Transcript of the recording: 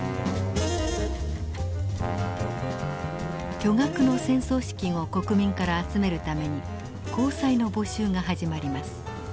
巨額の戦争資金を国民から集めるために公債の募集が始まります。